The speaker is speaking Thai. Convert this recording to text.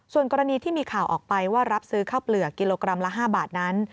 ส่วนกรณีที่มีข่าวออกไปว่ารับซื้อข้าวเปลือกกิโลกรัมละ๕บาทนั้น